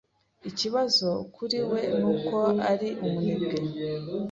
Ikibazo kuri we nuko ari umunebwe.